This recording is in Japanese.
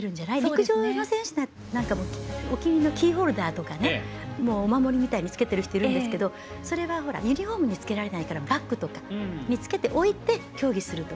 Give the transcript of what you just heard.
陸上の選手なんかもお気に入りのキーホルダーとかお守りみたいにつけている人いるんですけどそれはユニフォームにつけられないからバッグとかにつけて置いて競技すると。